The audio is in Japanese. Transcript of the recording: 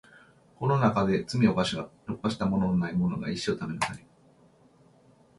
この中で罪を犯したことのないものが石を食べなさい